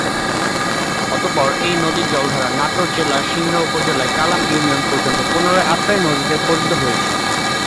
অতঃপর এই নদীর জলধারা নাটোর জেলার সিংড়া উপজেলার কালাম ইউনিয়ন পর্যন্ত পুনরায় আত্রাই নদীতে পতিত হয়েছে।